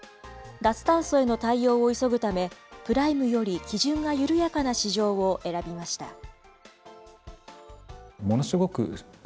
脱炭素への対応を急ぐため、プライムより基準が緩やかな市場を選びました。